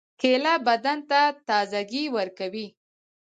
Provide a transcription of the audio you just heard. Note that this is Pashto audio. کېله بدن ته تازګي ورکوي.